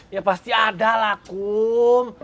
ya pasti ada lah kum